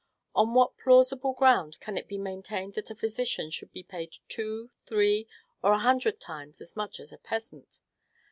On what plausible ground can it be maintained that a physician should be paid two, three, or a hundred times as much as a peasant?